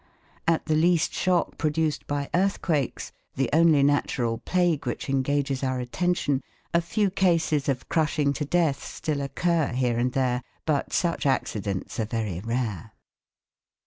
At the least shock produced by earthquakes (the only natural plague which engages our attention), a few cases of crushing to death still occur here and there, but such accidents are very rare.